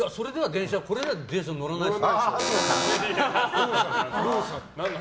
これでは電車、乗らないです。